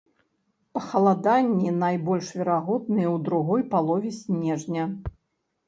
Пахаладанні найбольш верагодныя ў другой палове снежня.